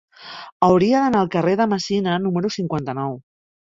Hauria d'anar al carrer de Messina número cinquanta-nou.